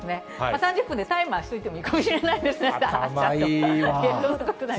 ３０分でタイマーしておいてもいいかもしれないですね。